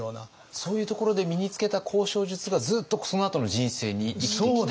そういうところで身につけた交渉術がずっとそのあとの人生に生きてきた？